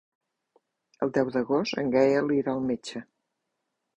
El deu d'agost en Gaël irà al metge.